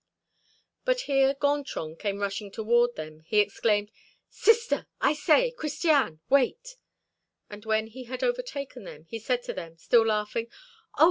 But here Gontran came rushing toward them. He exclaimed: "Sister, I say, Christiane, wait!" And when he had overtaken them, he said to them, still laughing: "Oh!